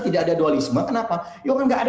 tidak ada dualisme kenapa ya orang nggak ada